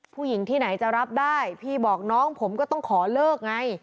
ผู้หญิงที่ไหนจะรับได้พี่บอกน้องผมก็ต้องขอเลิกไง